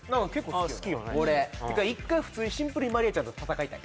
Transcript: シゲ１回普通にシンプルにマリアちゃんと戦いたい